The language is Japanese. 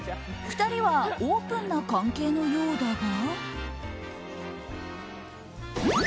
２人はオープンな関係のようだが。